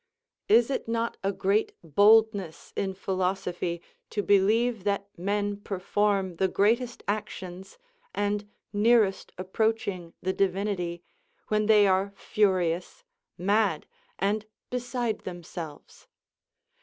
Is it not a great boldness in philosophy to believe that men perform the greatest actions, and nearest approaching the Divinity, when they are furious, mad, and beside themselves?